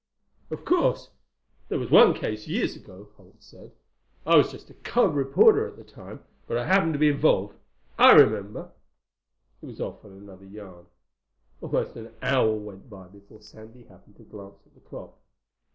"Of course there was one case, years ago," Holt said. "I was just a cub reporter at the time, but I happened to be involved. I remember...." He was off on another yarn. Almost an hour went by before Sandy happened to glance at the clock.